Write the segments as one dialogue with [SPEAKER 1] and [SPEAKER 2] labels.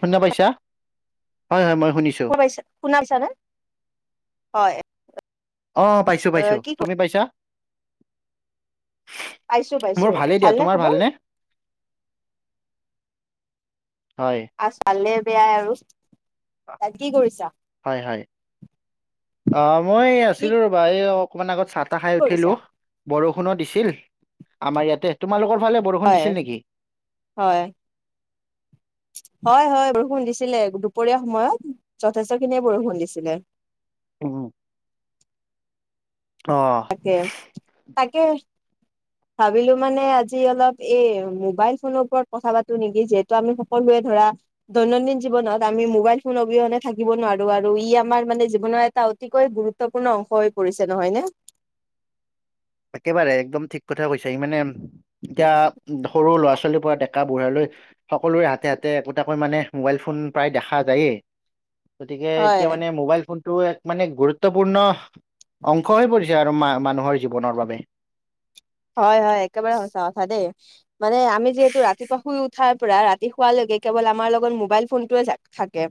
[SPEAKER 1] শুনা পাইছা হয়-হয় মই শুনিছো।
[SPEAKER 2] শুনা শুনা পাইচানে? হয়।
[SPEAKER 1] অ' পাইছো
[SPEAKER 2] আহ
[SPEAKER 1] পাইছো
[SPEAKER 2] কি ক
[SPEAKER 1] তুমি পাইছা?
[SPEAKER 2] পাইছো
[SPEAKER 1] মোৰ
[SPEAKER 2] পাইছো।
[SPEAKER 1] ভালেই দিয়া
[SPEAKER 2] ভাল নে
[SPEAKER 1] তোমাৰ
[SPEAKER 2] খবৰ?
[SPEAKER 1] ভালনে হয়।
[SPEAKER 2] আছো ভালে বেয়াই আৰু [unintelligible] কি কৰিছা?
[SPEAKER 1] হয়, হয় মই
[SPEAKER 2] কি
[SPEAKER 1] আছিলোঁ ৰ'বা এই অকমান আগত চাহ-তাহ খাই
[SPEAKER 2] কৰিছা
[SPEAKER 1] উঠিলো বৰষুণো দিছিল আমাৰ ইয়াতে তোমালোকৰ ফালে বৰষুণ
[SPEAKER 2] হয়
[SPEAKER 1] দিছিল নেকি?
[SPEAKER 2] হয়। হয়-হয় বৰষুণ দিছিলে দুপৰীয়া সময়ত যথেষ্ট খিনিয়ে বৰষুণ দিছিলে।
[SPEAKER 1] উম। অ'।
[SPEAKER 2] তাকে তাকৈ। ভাবিলো মানে আজি অলপ এই মোবাইল ফোনৰ ওপৰত কথা পাতো নেকি যে তো আমি সকলোৱে ধৰা দৈনন্দিন জীৱনত আমি মোবাইল ফোন অবিহনে থাকিব নোৱাৰো আৰু ই আমাৰ মানে জীৱনৰ এটা অতিকৈ গুৰুত্ব- গুৰুত্বপূৰ্ণ অংশ হৈ পৰিছে নহয় নে?
[SPEAKER 1] একেবাৰে একদম ঠিক কথা কৈছা সি মানে এতিয়া সৰু ল'ৰা ছোৱালীৰ পৰা ডেকা বুঢ়া লৈ সকলোৰে হাতে হাতে একোটাকৈ মানে মোবাইল ফোন প্ৰায় দেখা যায়েই। গতিকে এতিয়া
[SPEAKER 2] হয়
[SPEAKER 1] মানে মোবাইল ফোন টো এক মানে গুৰুত্বপূৰ্ণ অংশ হৈ পৰিছে আৰু মা মানুহৰ জীৱনৰ বাবে।
[SPEAKER 2] হয় হয় একেবাৰে সঁচা কথা দেই। মানে আমি যিহেতু ৰাতিপুৱা শুই উঠাৰ পৰা ৰাতি শুৱালৈকে কেৱল আমাৰ লগত মোবাইল ফোনটোৱে যাক- থাকে,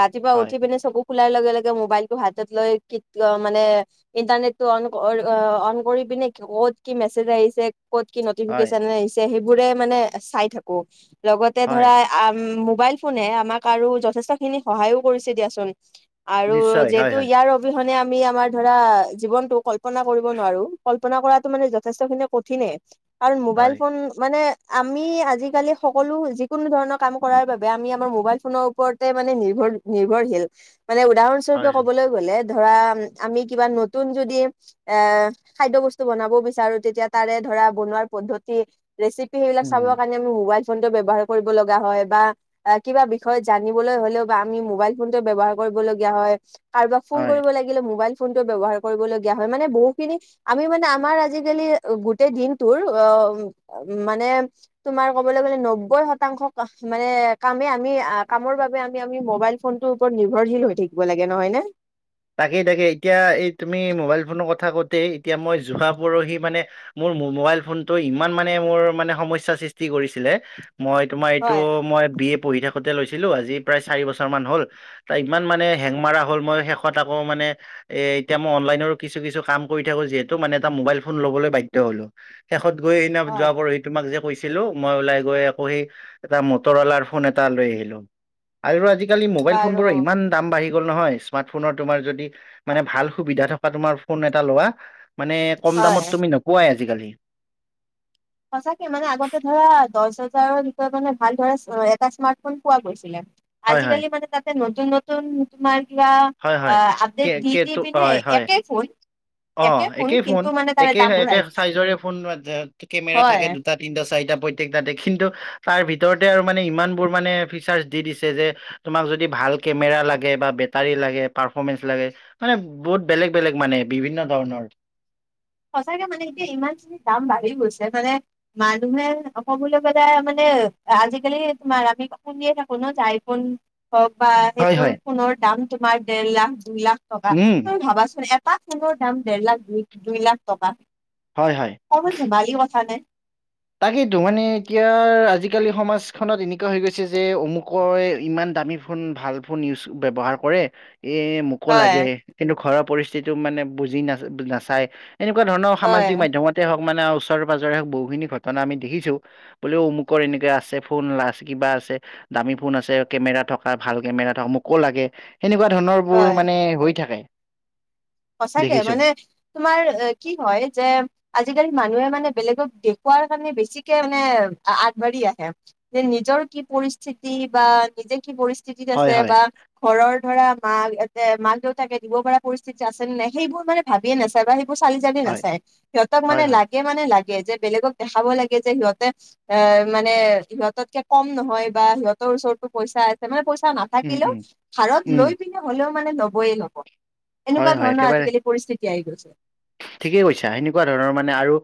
[SPEAKER 2] ৰাতিপুৱা
[SPEAKER 1] হয়
[SPEAKER 2] উঠি পিনে চকু খোলাৰ লগে লগে মোবাইলটো হাতত লৈ কিটতিয় মানে- ইন্টাৰনেটতো অন অ অন কৰিপিনে অত- কি মেছেজ আহিছে, ক'ত কি
[SPEAKER 1] হয়,
[SPEAKER 2] নটিফিকেশচন আহিছে সেইবোৰে মানে চাই থাকো। লগতে
[SPEAKER 1] হয়,
[SPEAKER 2] ধৰা আ মোবাইল ফোনে আমাক আৰু যথেষ্ট খিনি সহায়ো কৰিছে দিয়াচোন। আৰু
[SPEAKER 1] নিশ্চয় হয়,
[SPEAKER 2] যিহেতু
[SPEAKER 1] হয়,
[SPEAKER 2] ইয়াৰ অবিহনে আমি আমাৰ ধৰা জীৱনতো কল্পনা কৰিব নোৱাৰো। কল্পনা কৰাটো মানে যথেষ্ট খিনি কঠিনে। কাৰণ মোবাইল
[SPEAKER 1] হয়,
[SPEAKER 2] ফোন মানে- আমি আজিকালি সকলো যিকোনো ধৰণৰ কাম কৰাৰ বাবে আমি আমাৰ মোবাইল ফোনৰ ওপৰত- মানে নিৰ্ভৰ নিৰ্ভৰশীল মানে উদাহৰণস্বৰূপে
[SPEAKER 1] হয়,
[SPEAKER 2] ক'বলৈ গ'লে- ধৰা আমি কিবা নতুন যদি এ খাদ্য বস্তু বনাব বিছ- বিচাৰো, তেতিয়া তাৰে ধৰা বনোৱাৰ পদ্ধতি, ৰেচিপি এইবিলাক
[SPEAKER 1] উম,
[SPEAKER 2] চাবৰ কাৰণে আমি মোবাইল- ফোন টো ব্যৱহাৰ কৰিব লগা হয় বা- আ কিবা বিষয়ত জানিবলৈ হলেওঁ বা আমি মোবাইল ফোনটো ব্যৱহাৰ কৰিবলগীয়া হয়। কাৰোবাক ফোন
[SPEAKER 1] হয়।
[SPEAKER 2] কৰিব লাগিলে মোবাইল ফোনটো ব্যৱহাৰ কৰিবলগীয়া হয় মানে বহুখিনি আমি মানে আমাৰ আজি- আজিকালি গোটেই দিনটোৰ অ মানে তোমাৰ কবলৈ গলে নব্বৈ শতাংশ মানে কামে আমি কামৰ বাবে আমি আমি মবাইল ফোনটোৰ ওপৰত নিৰ্ভৰশীল হৈ থাকিব লাগে নহয় নে?
[SPEAKER 1] তাকেই তাকে এতিয়া এই তুমি মোবাইল ফোনৰ কথা কওঁতে এতিয়া মই যোৱা পৰহি মানে মোৰ মোবাইল ফোনটো ইমান মানে মোৰ মানে সমস্যাৰ সৃষ্টি কৰিছিলে মই তোমাৰ এইটো
[SPEAKER 2] হয়
[SPEAKER 1] মই বি এ পঢ়ি থাক- থাকোতে লৈছিলোঁ। আজি প্ৰায় চাৰি বছৰমান হ'ল। তাৰ ইমান মানে হেং মাৰা হ'ল মই শেষত আকৌ মানে এ এতিয়া মই অনলাইনৰো কিছু কিছু কাম কৰি থাকো যিহেতু মানে এটা মোবাইল ফোন লবলৈ বাধ্য হ'লো। শেষত গৈ সেইদিনা
[SPEAKER 2] হয়
[SPEAKER 1] যোৱা পৰহি- তোমাক যে কৈছিলোঁ, মই ওলাই গৈ আকৌ সেই এটা মটৰৱালাৰ ফোন এটা লৈ আহিলো। আৰু আজিকালি মোবাইল
[SPEAKER 2] বাৰু
[SPEAKER 1] ফোনবোৰৰ ইমান দাম বাঢ়ি গ'ল নহয় স্মাৰ্ট- ফোনৰ তোমাৰ যদি মানে ভাল সুবিধা থকা তোমাৰ ফোন এটা লোৱা মানে কম
[SPEAKER 2] হয়।
[SPEAKER 1] দামত তুমি নোপোৱাই আজিকালি।
[SPEAKER 2] সঁচাকে মানে আগতে ধৰা দহ হাজাৰৰ ভিতৰত মানে ভাল ধৰা এটা স্মাৰ্টফোন পোৱা গৈছিলে।
[SPEAKER 1] হয় হয়
[SPEAKER 2] আজিকালি মানে তাতে নতুন নত- তোমাৰ কিবা
[SPEAKER 1] হয়
[SPEAKER 2] আ
[SPEAKER 1] হয় কে
[SPEAKER 2] আপডেদ দি দি
[SPEAKER 1] কেটো
[SPEAKER 2] পিনে
[SPEAKER 1] হয় হয়
[SPEAKER 2] একে ফোন।
[SPEAKER 1] অ
[SPEAKER 2] একে
[SPEAKER 1] একেই ফোন।
[SPEAKER 2] কিন্তু মানে তাৰে
[SPEAKER 1] একে
[SPEAKER 2] দাম
[SPEAKER 1] একে
[SPEAKER 2] বঢ়াই দিছে।
[SPEAKER 1] চাইজৰে ফোন কেমেৰা
[SPEAKER 2] হয়
[SPEAKER 1] থাকে দুটাত। তিনটা চাৰিটা প্ৰত্যেক টাতে কিন্তু তাৰ ভিতৰতে আৰু মানে ইমান বোৰ মানে ফিচাৰ্চ দি দিছে যে- তোমাক যদি ভাল কেমেৰা লাগে বা বেটাৰী লাগে, পাৰফৰমেন্স লাগে। মানে বহুত বেলেগ বেলেগ মানে বিভিন্ন ধৰণৰ।
[SPEAKER 2] সঁচাকে মানে এতিয়া ইমানখিনি দাম বাঢ়ি গৈছে মানে মানুহে ক'বলৈ গলে মানে আজিকালি তোমাৰ আমি শুনিয়ে থাকো ন আইফোন হওঁক বা
[SPEAKER 1] হয়
[SPEAKER 2] সেইবোৰ
[SPEAKER 1] হয়
[SPEAKER 2] ফোনৰ দাম তোমাৰ দেৰ লাখ দুই লাখ টকা।
[SPEAKER 1] উম
[SPEAKER 2] তুমি ভাবাচোন এটা ফোনৰ দাম দেৰ লাখ দুই দুই লাখ টকা।
[SPEAKER 1] হয় হয়।
[SPEAKER 2] পমান ধেমালি কথা নে।
[SPEAKER 1] তাকেইতো মানে এতিয়া আজিকালি সমাজখনত এনেকুৱা হৈ গৈছে যে অমুকই ইমান দামী ফোন ভাল ফোন ব্যৱহাৰ কৰে, এ মোক হ'ব
[SPEAKER 2] হয়।
[SPEAKER 1] লাগে। কিন্তু ঘৰৰ পৰিস্থিতিটো মানে বুজি নাচ নাচাই, এনেকুৱা ধৰণৰ
[SPEAKER 2] হয়,
[SPEAKER 1] সামাজিক মাধ্যমত য'তে হওঁক মানে আৰু ওচৰে-পাজৰে বহুখিনি ঘটনা আমি দেখিছোঁ। বোলে অমুকত এনেকা আছে, ফোন, ৰাজ কিবা আছে। দামী ফোন আছে, কেমেৰা থকা, ভাল কেমেৰা থকা। মোকো লাগে সেনেকুৱা ধৰণৰ বোৰ
[SPEAKER 2] হয়।
[SPEAKER 1] মানে হৈ থাকে।
[SPEAKER 2] সঁচাকে
[SPEAKER 1] দেখিছো
[SPEAKER 2] মানে তোমাৰ কি হয় যে আজিকালি মানুহে মানে বেলেগক দেখুওৱাৰ কাৰণে, বেছিকে মানে আগবাঢ়ি আহে। যে নিজৰ কি পৰিস্থিতি বা নিজে কি পৰিস্থিত ঠি-ঠিক
[SPEAKER 1] হয়
[SPEAKER 2] আছে
[SPEAKER 1] হয়
[SPEAKER 2] বা ঘৰৰ ধৰা মাকহঁতে, মাক দেউতাকে দিব পৰা পৰিস্থিতি যে আছে নে নাই। সেইবোৰ মানে ভাবিয়ে নাচায় বা সেইবোৰ চালি-জাৰি
[SPEAKER 1] হয়
[SPEAKER 2] নাচায়, সিহঁতক
[SPEAKER 1] হয়
[SPEAKER 2] মানে
[SPEAKER 1] হয়
[SPEAKER 2] লাগে সিহঁতক মানে লাগে, যে বেলেগক দেখাব লাগে যে সিহঁতে এ মানে সিহঁতকে কম নহয় বা সিহঁতৰ ওচৰতো পইচা আছে। মানে পইচা না
[SPEAKER 1] উম
[SPEAKER 2] থাকিলেও,
[SPEAKER 1] উম
[SPEAKER 2] ধাৰত
[SPEAKER 1] উম
[SPEAKER 2] লৈ পিনে হ'লেও মানে লবই ল'ব।
[SPEAKER 1] হয়
[SPEAKER 2] এনেকুৱা
[SPEAKER 1] হয়
[SPEAKER 2] ধৰণৰ
[SPEAKER 1] একেবাৰে
[SPEAKER 2] আজিকালি পৰিস্থিতি আহি গৈছে।
[SPEAKER 1] ঠিকেই কৈছা। এনেকুৱা ধৰণৰ মানে আৰু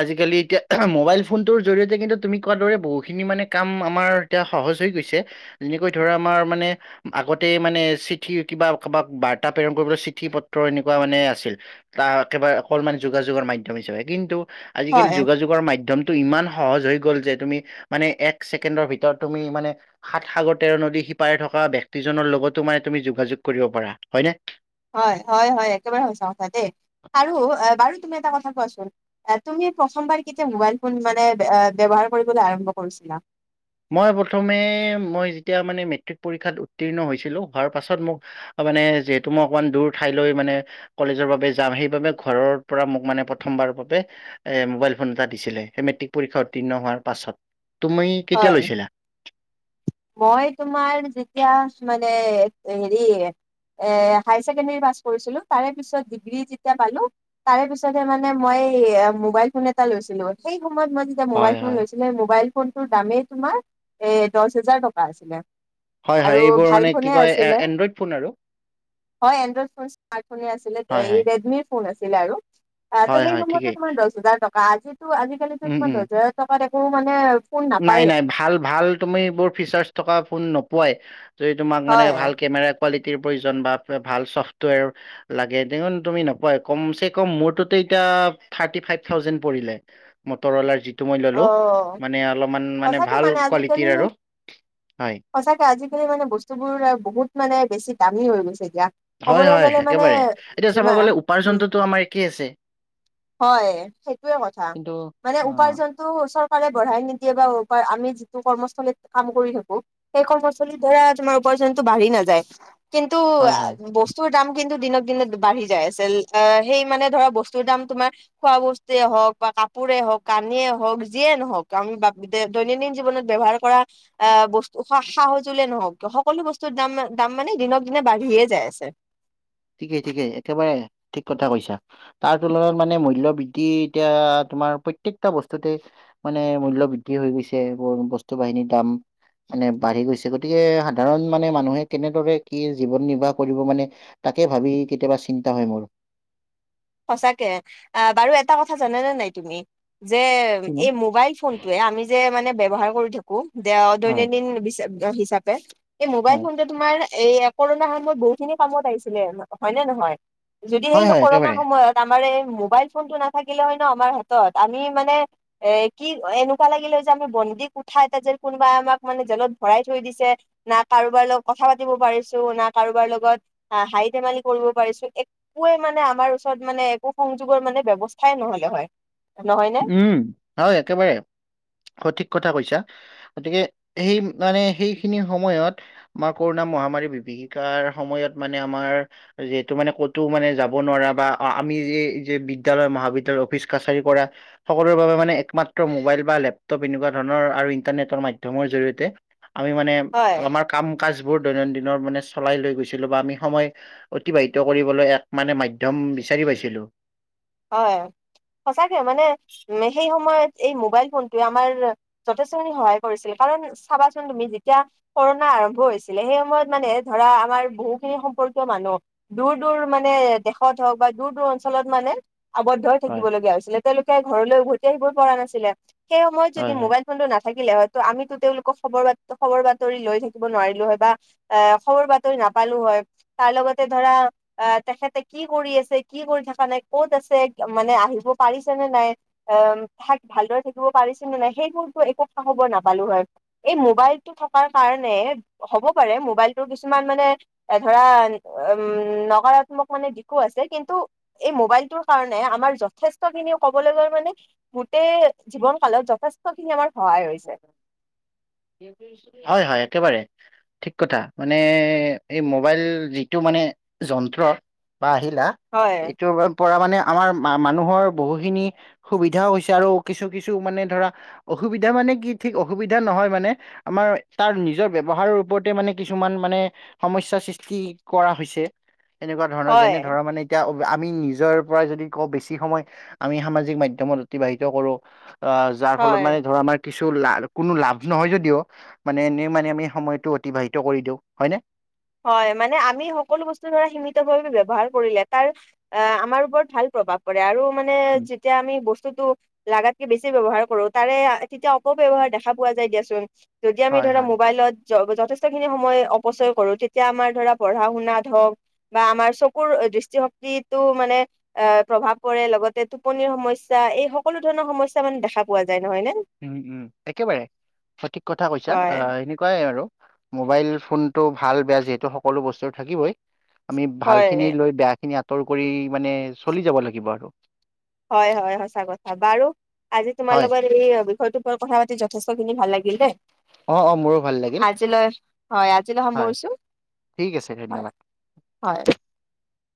[SPEAKER 1] আজিকালি, এতিয়া মোবাইল ফোনটোৰ জৰিয়তে কিন্তু তুমি কোৱাৰ দৰে বহুখিনি মানে কাম আমাৰ এতিয়া সহজ হৈ গৈছে। যেনেকৈ ধৰা আমাৰ মানে আগতে মানে চিঠি কিবা কাৰোবাক বাৰ্তা প্ৰেৰণ কৰিবলৈ, চিঠি-পত্ৰ এনেকুৱা মানে আছিল। তাৰ একেবাৰে অকনমান যোগাযোগৰ মাধ্যম হিচাপে। কিন্তু আজিকালি
[SPEAKER 2] হয়,
[SPEAKER 1] যোগাযোগৰ মাধ্যম টো ইমান সহজ হৈ গ'ল যে, তুমি মানে এক ছেকেণ্ডৰ ভিতৰত তুমি মানে সাত-সাগৰ তেৰ নদী সিপাৰে থকা ব্যক্তিজনৰ লগতো মানে তুমি যোগাযোগ কৰিব পাৰা। হয়নে
[SPEAKER 2] হয়-হয়-হয়, একেবাৰে সঁচা কথা দেই আৰু বাৰু তুমি এটা কথা কোৱাচোন তুমি প্ৰথমবাৰ কেতিয়া মোবাইল ফোন মানে ব্যৱহাৰ কৰিবলৈ আৰম্ভ কৰিছিলা?
[SPEAKER 1] মই প্ৰথমে, মই যেতিয়া মানে মেট্ৰিক পৰীক্ষাত উত্তীৰ্ণ হৈছিলো, হোৱাৰ পাছত মোক- মানে যিহেতু মই অকণমান দূৰ ঠাইলৈ মানে কলেজৰ বাবে যাম। সেইবাবে ঘৰৰ পৰা মোক মানে প্ৰথমবাৰ বাবে এ মোবাইল ফোন এটা দিছিলে। সেই মেট্ৰিক পৰীক্ষা উত্তীৰ্ণ হোৱাৰ পাছত। তুমি কেতিয়া
[SPEAKER 2] হয়,
[SPEAKER 1] লৈছিলা?
[SPEAKER 2] মই তোমাৰ যেতিয়া মানে হেৰি এ হায়াৰ ছেকেণ্ডেৰী পাছ কৰিছিলোঁ। তাৰে পিছত ডিগ্ৰী যেতিয়া পালো তাৰে পিছতহে মানে মই মোবাইল ফোন এটা লৈছিলো। সেই সময়ত মই- যে
[SPEAKER 1] হয়,
[SPEAKER 2] মোবাইল ফোন
[SPEAKER 1] হয়,
[SPEAKER 2] লৈছিলো, সেই মোবাইল ফোনটোৰ দামেই তোমাৰ এ দহ হেজাৰ টকা আছিলে। আৰু
[SPEAKER 1] হয়-হয় এইবোৰ
[SPEAKER 2] ভাল
[SPEAKER 1] মানে
[SPEAKER 2] ফোনে
[SPEAKER 1] কি কয়
[SPEAKER 2] আছিলে
[SPEAKER 1] এনড্ৰইড ফোন আৰু।
[SPEAKER 2] হয়, এনড্ৰইড ফোন স্মাৰ্টফোনে আছিলে।
[SPEAKER 1] হয়, হয়,
[SPEAKER 2] এই ৰেডমিৰ ফোন আছিলে আৰু তাৰতো
[SPEAKER 1] হয়,
[SPEAKER 2] সেই
[SPEAKER 1] হয়
[SPEAKER 2] সময়তো
[SPEAKER 1] ঠিকেই
[SPEAKER 2] তোমাৰ দহ হাজাৰ টকা। আজিতো আজিকালিতো তোমাৰ দহ হাজাৰ টকাত একো মানে ফোন নাপায়েই।
[SPEAKER 1] নাই-নাই, ভাল-ভাল তুমি এইবোৰ ফিচাৰ্চ থকা ফোন নোপোৱাই। যদি তোমাক মানে
[SPEAKER 2] হয়।
[SPEAKER 1] ভাল কেমেৰা কোৱালিটিৰ প্ৰয়োজন বা ভাল ছফ্টৱেৰ লাগে, তেনেহলে তুমি নোপোৱাই। কমচে কম মোৰটোতে এতিয়া থাৰ্টি ফাইভ থাউজেণ্ড পৰিলে। মটৰৱালাৰ যিটো মই ল'লো।
[SPEAKER 2] অ',
[SPEAKER 1] মানে অলপমান
[SPEAKER 2] সঁচাকে
[SPEAKER 1] ভাল
[SPEAKER 2] মানে
[SPEAKER 1] কোৱালিটিৰ
[SPEAKER 2] আজিকালি
[SPEAKER 1] আৰু হয়
[SPEAKER 2] সঁচাকে আজিকালি মানে, বস্তুবোৰ বহুত মানে বেছি দামী হৈ গৈছে এতিয়া। ক'বলৈ
[SPEAKER 1] হয়-হয়
[SPEAKER 2] গ'লে মানে
[SPEAKER 1] একেবাৰে, এতিয়া চাব গ'লে
[SPEAKER 2] যিমান
[SPEAKER 1] উপাৰ্জনটোতো আমাৰ একেই আছে।
[SPEAKER 2] হয়, সেইটোয়ে কথা।
[SPEAKER 1] কিন্তু
[SPEAKER 2] মানে
[SPEAKER 1] অ
[SPEAKER 2] উপাৰ্জন এইটো চৰকাৰে বঢ়াই নিদিয়ে বা আমি যিটো কৰ্মস্থলীত কাম কৰি থাকো সেই কৰ্মস্থলীত ধৰা তোমাৰ উপাৰ্জনতো বাঢ়ি নাযায়। কিন্তু
[SPEAKER 1] হয় হয়
[SPEAKER 2] বস্তু বস্তু দাম কিন্তু দিনক-দিনে বাঢ়ি যায় আছিল। অ, সেই মানে ধৰা বস্তুৰ দাম তোমাৰ খোৱা বস্তুয়ে হওক বা কাপোৰে হওক, কানিয়ে হওক। হওক, যিয়ে নহওঁক আমি দৈনন্দিন জীৱনত ব্যৱহাৰ কৰা অ, বস্তু সা-সজুলিয়ে নহওঁক কিয় সকলো বস্তুৰ দাম-দাম মানে দিনক-দিনে বাঢ়িয়ে যায় আছে।
[SPEAKER 1] ঠিকেই-ঠিকেই একেবাৰে ঠিক কথা কৈছা। তাৰ তুলনাত মানে মূল্য বৃদ্ধি এতিয়া তোমাৰ প্ৰত্যেকতা বস্তুতে- মানে মূল্য বৃদ্ধি হৈ গৈছে, ব বস্তু বাহিনীৰ দাম- মানে বাঢ়ি গৈছে। গতিকে সাধাৰণ মানে মানুহে কেনেদৰে কি জীৱন নিৰ্বাহ কৰিব মানে- তাকে ভাবি কেতিয়াবা চিন্তা হয় মোৰ।
[SPEAKER 2] সঁচাকে আহ বাৰু এটা কথা জানানে নাই তুমি? যে
[SPEAKER 1] কি ন?
[SPEAKER 2] এই মোবাইল ফোন- তোয়ে আমি যে মানে ব্যৱহাৰ কৰি থাকোঁ
[SPEAKER 1] হয়
[SPEAKER 2] দৈনন্দিন হিচাপে। এই মোবাইল
[SPEAKER 1] হয়
[SPEAKER 2] ফোনটোয়ে তোমাৰ এই কৰোণাৰ সময়ত বহুখিনি কামত আহিছিলে হয়নে নহয়। যদি সেই
[SPEAKER 1] হয় হয়
[SPEAKER 2] সকৰৰ-
[SPEAKER 1] একেবাৰে
[SPEAKER 2] সময়ত আমাৰ এই মোবাইল ফোন টো নাথাকিলে হয় ন আমাৰ হাতত আমি মানে। এ কি এনেকুৱা লাগিলে যে আমি বন্দী কোঠা এটা যে কোনোবাই আমাক মানে জেলত ভৰাই থৈ দিছে। না কাৰোবাৰ লগত কথা পাতিব পাৰিছোঁ না কাৰোবাৰ লগত। অ হাঁহি ধেমালি কৰিব পাৰিছোঁ একোৱে মানে আমাৰ ওচৰত মানে একো সংযোগৰ মানে ব্যৱস্থাই নহ'লে হয়। নহয় নে?
[SPEAKER 1] উম হয় একেবাৰে সঠিক কথা কৈছা। গতিকে সেই মানে সেইখিনি সময়ত আমাৰ কৰোণা মহামাৰীৰ বিভীষিকাৰ সময়ত মানে আমাৰ যিহেটো মানে ক'তো মানে যাব নোৱাৰা বা আমি যে যে বিদ্যালয় মহাবিদ্যালয় অফিচ কাছাৰী কৰা সকলোৰে বাবে মানে একমাত্ৰ মোবাইল বা লেপটপ এনেকুৱা ধৰণৰ আৰু ইন্টাৰনেটৰ মাধ্যমৰ জৰিয়তে। আমি মানে
[SPEAKER 2] হয়,
[SPEAKER 1] আমাৰ কাম- কাজ বোৰ দৈনন্দিনৰ মানে চলাই লৈ গৈছিলোঁ বা আমি সময় অতিবাহিত কৰিবলৈ এক মানে মাধ্যয় মানে বিচাৰি পাইছিলোঁ।
[SPEAKER 2] হয় সঁচাকে মানে উ সেই সময়ত এই মোবাইল ফোনটোৱে আমাৰ। যথেষ্টখিনি সহায় কৰিছিল কাৰণ চাবাচোন তুমি যেতিয়া। কৰোণা আৰম্ভ হৈছিলে সেই সময়ত মানে ধৰা আমাৰ বহুখিনি সম্পৰ্কীয় মানুহ। দূৰ দূৰ মানে দেশত হওঁক বা দূৰ দূৰ অঞ্চলত মানে। আৱদ্ধ হৈ
[SPEAKER 1] হয়
[SPEAKER 2] থাকিবলগীয়া হৈছিলে তেওঁলোকে ঘৰলৈ উভতি আহিব পৰা নাছিলে সেই সময়ত যদি
[SPEAKER 1] হয় হয়
[SPEAKER 2] মোবাইল। ফোনতো নাথাকিলে হয়তো আমিতো তেওঁলোকক খবৰ খবৰ বাতৰি লৈ থাকিব নোৱাৰিলোঁ হয় বা। এ খবৰ বাতৰি নাপালোঁ হয়। কাৰ লগতে ধৰা অ তেখেতে কি কৰি আছে কি কৰি থকা নাই ক'ত আছে। চে মানে আহিব পাৰিছে নে নাই। অ তাত ভালদৰে থাকিব পাৰিছে নে নাই সেইবোৰতো একো খা খবৰ নাপালোঁ হয়। এই মোবাইলটো থকাৰ কাৰণে হ'ব পাৰে মোবাইলটোৰ কিছুমান মানে। এ ধৰা উম নকাৰাত্মক মানে দিশো আছে কিন্তু এই মোবাইলটোৰ? কাৰণে আমাৰ যথেষ্ট খিনি ক'বলৈ গ'লে মানে গোটেই জীৱন কালত যথেষ্ট খিনি আমাৰ। সহায় হৈছে।
[SPEAKER 1] হয় হয় একেবাৰেই। ঠিক কথা মানে এই মোবাইল যিটো মানে যন্ত্ৰ। বা আহিলা
[SPEAKER 2] হয়
[SPEAKER 1] এইটো পৰা মানে আমাৰ মানুহৰ বহুখিনি। সুবিধাও হৈছে আৰু কিছু কিছু মানে ধৰা অসুবিধা মানে কি ঠিক অসুবিধা নহয় মানে। আমাৰ তাৰ নিজৰ ব্যৱহাৰৰ ওপৰতে মানে কিছুমান মানে। সমস্যা সৃষ্টি কৰা হৈছে এনেকুৱা ধৰণৰ
[SPEAKER 2] হয়
[SPEAKER 1] যেনে ধৰা মানে। এতিয়া আমি নিজৰ পৰা যদি কওঁ বেছি সময়। আমি সামাজিক মাধ্যমত অতিবাহিত কৰোঁ আহ যাৰ ফলত
[SPEAKER 2] হয়
[SPEAKER 1] মানে ধৰ আমাৰ। কিছু লা কোনো লাভ নহয় যদিও মানে এনেই মানে আমি সময়টো অতিবাহিত কৰি দিওঁ হয়নে।
[SPEAKER 2] হয় মানে আমি সকলো বস্তু ধৰা সীমিতভাৱে ব্যৱহাৰ কৰিলে তাৰ। আহ আমাৰ ওপৰত ভাল প্ৰভাৱ পৰে আৰু মানে যেতিয়া আমি বস্তুতটো? লাগাতকে বেছি ব্যৱহাৰ কৰোঁ তাৰে তেতিয়া অপ ব্যয়ৱহাৰ দেখা পোৱা যায় দিয়াচোন। যদি আমি
[SPEAKER 1] হয়
[SPEAKER 2] ধৰা
[SPEAKER 1] হয়
[SPEAKER 2] মোবাইলত য, যথেষ্টখিনি সময় অপচয় কৰোঁ তে- তিয়া আমাৰ ধৰা পঢ়া শুনাত হওঁক বা আমাৰ চকুৰ দৃষ্টিশক্তিটো মানে এ প্ৰভাৱ পৰে লগতে টোপনিৰ সমস্যা এই সকলো ধৰণৰ সমস্যা মানে দেখা পোৱা যায় নহয় নে?
[SPEAKER 1] উম উম একেবাৰে সঠিক কথা কৈছা।
[SPEAKER 2] হয়
[SPEAKER 1] অ এনে তেনেকুৱাই আৰু মোবাইল ফোন টো ভাল বেয়া যিহেতু সকলো বস্তুৰ থাকিবই। আমি ভাল খিনি
[SPEAKER 2] হয়
[SPEAKER 1] লৈ বেয়া খিনি আঁতৰ কৰি মানে চলি যাব লাগিব আৰু।
[SPEAKER 2] হয় হয় সঁচা কথা। বাৰু আজি তোমাৰ
[SPEAKER 1] হয়
[SPEAKER 2] লগত এই বিষয়টোৰ ওপৰত কথা পাতি যথেষ্ট খিনি ভাল লাগিল দেই।
[SPEAKER 1] অ অ মোৰো ভাল লাগিল
[SPEAKER 2] আজিলৈ হয় আজিলৈ
[SPEAKER 1] হয়
[SPEAKER 2] সামৰিছো।
[SPEAKER 1] ঠিক আছে
[SPEAKER 2] হয়।
[SPEAKER 1] ধন্যবাদ
[SPEAKER 2] হয়।